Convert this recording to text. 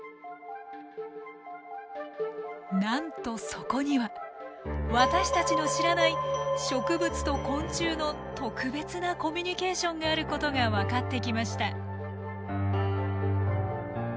なんとそこには私たちの知らない植物と昆虫の特別なコミュニケーションがあることが分かってきました。